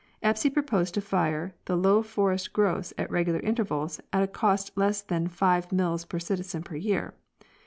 Espy proposed to fire the low forest growths at regular intervals at a cost less than five mills per citizen per year.